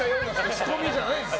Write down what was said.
仕込みじゃないですよ。